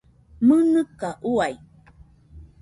¡Mɨnɨka uai!